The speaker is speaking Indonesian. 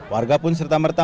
warga pun serta merta